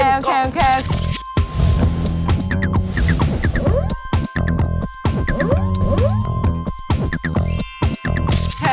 โอเค